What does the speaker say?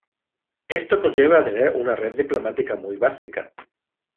Esto conlleva a tener una red diplomática muy básica.